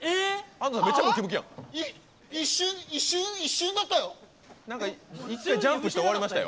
一瞬一瞬だったよ！